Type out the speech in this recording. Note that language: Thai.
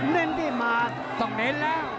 เน้นที่มาต้องเน้นแล้ว